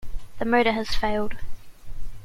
The motor has failed.